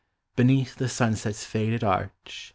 Beneath the sunset's faded arch.